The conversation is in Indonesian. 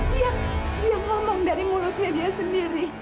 dia yang ngomong dari mulutnya dia sendiri